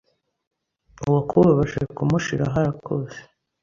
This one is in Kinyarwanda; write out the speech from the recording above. Uwakubabaje kumushiraho arakuzi